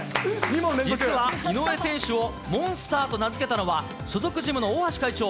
実は井上選手をモンスターと名付けたのは、所属ジムの大橋会長。